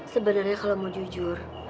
sebenernya kalau mau jujur